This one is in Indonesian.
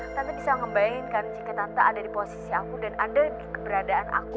tante bisa ngembain kan jika tante ada di posisi aku dan ada keberadaan aku